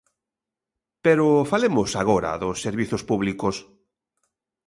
Pero falemos agora dos servizos públicos.